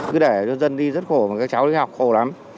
cứ để cho dân đi rất khổ mà các cháu đi học khổ lắm